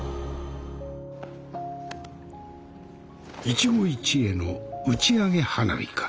一期一会の打ち上げ花火か。